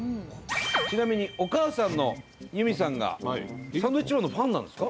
ちなみにお母さんの由美さんがサンドウィッチマンのファンなんですか？